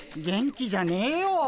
元気じゃねえよ。